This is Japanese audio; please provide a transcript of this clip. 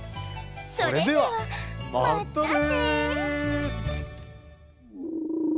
それではまったね！